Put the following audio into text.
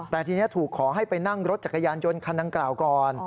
แต่ทีนี้ถูกขอให้ไปนั่งรถจักรยานยนต์คันดังกล่าวก่อน